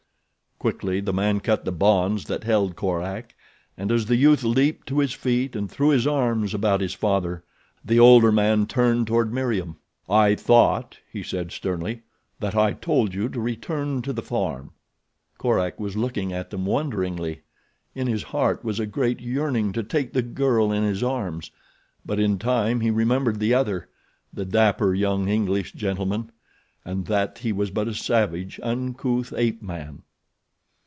Quickly the man cut the bonds that held Korak, and as the youth leaped to his feet and threw his arms about his father, the older man turned toward Meriem. "I thought," he said, sternly, "that I told you to return to the farm." Korak was looking at them wonderingly. In his heart was a great yearning to take the girl in his arms; but in time he remembered the other—the dapper young English gentleman—and that he was but a savage, uncouth ape man.